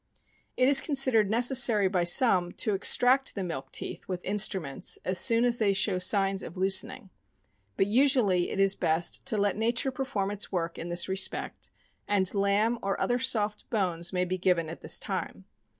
It is considered necessary by some to extract the milk teeth with instruments as soon as they show signs of loosen ing; but usually it is best to let nature perform its work in this respect, and lamb or other soft bones may be given at this time.